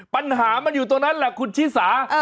ปัญหามันอยู่ตรงนั้นแหละคุณชิสา